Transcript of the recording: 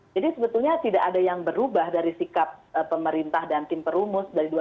jadi sebetulnya tidak ada yang berubah dari sikap pemerintah dan tim perumus dari dua ribu sembilan belas